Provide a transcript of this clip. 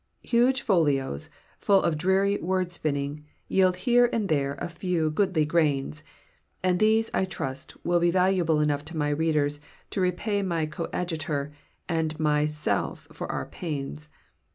Huge folios, full of dreary wordspinning, yield here and there a few goodly grains, and these, I trust, will be valuable enough to my readers to repay my coadjutor and myself for our pains.